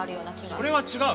それは違う。